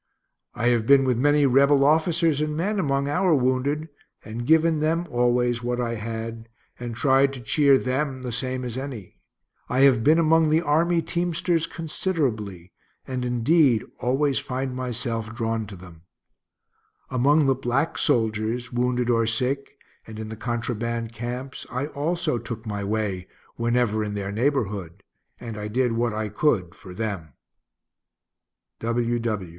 I have been with many Rebel officers and men among our wounded, and given them always what I had, and tried to cheer them the same as any. I have been among the army teamsters considerably, and indeed always find myself drawn to them. Among the black soldiers, wounded or sick, and in the contraband camps, I also took my way whenever in their neighborhood, and I did what I could for them.